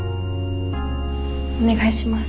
お願いします。